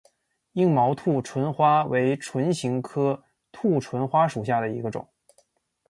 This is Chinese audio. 硬毛兔唇花为唇形科兔唇花属下的一个种。